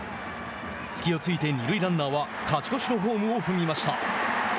隙を突いて二塁ランナーは勝ち越しのホームを踏みました。